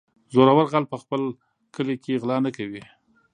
زورور غل په خپل کلي کې غلا نه کوي.